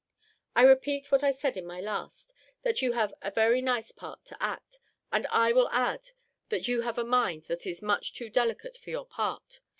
I repeat what I said in my last, that you have a very nice part to act: and I will add, that you have a mind that is much too delicate for your part.